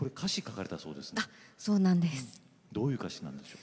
そうなんです。